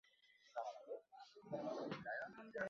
এই সিসিটিভি ফুটেজটা দেখো।